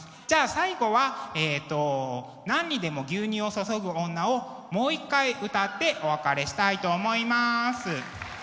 じゃあ最後は「何にでも牛乳を注ぐ女」をもう一回歌ってお別れしたいと思います。